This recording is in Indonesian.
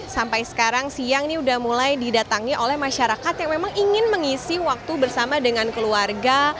sampai sekarang siang ini sudah mulai didatangi oleh masyarakat yang memang ingin mengisi waktu bersama dengan keluarga